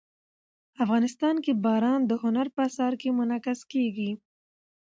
افغانستان کې باران د هنر په اثار کې منعکس کېږي.